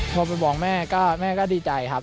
โทรไปบอกแม่แม่ก็ดีใจครับ